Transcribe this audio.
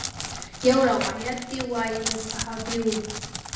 يو روايت ديه وايي يو صحابي و.